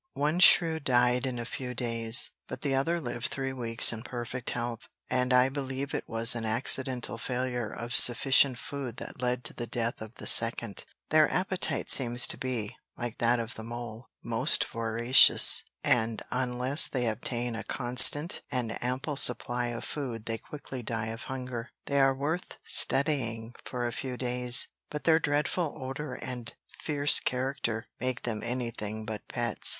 One shrew died in a few days, but the other lived three weeks in perfect health, and I believe it was an accidental failure of sufficient food that led to the death of the second; their appetite seems to be, like that of the mole, most voracious, and unless they obtain a constant and ample supply of food they quickly die of hunger. They are worth studying for a few days, but their dreadful odour and fierce character make them anything but pets.